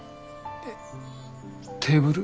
えっテーブル？